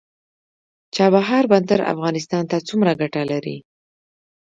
چابهار بندر افغانستان ته څومره ګټه لري؟